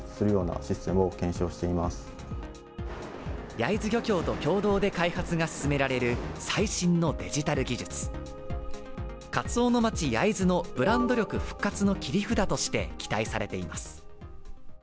焼津漁協と共同で開発が進められる最新のデジタル技術カツオの町、焼津のブランド力復活の切り札として期待されています